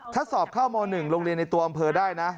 ถ้าสอบเข้าม๑โรงเรียนในตัวอำเภอได้นะ